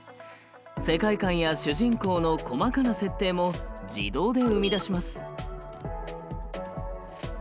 世界観や主人公の細かな設定も自動で生み出します。